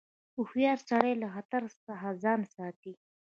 هوښیار سړی له خطر څخه ځان ساتي.